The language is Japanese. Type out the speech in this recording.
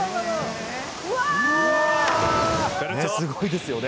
すごいですよね。